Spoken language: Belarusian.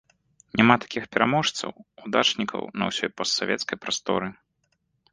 Няма такіх пераможцаў, удачнікаў на ўсёй постсавецкай прасторы.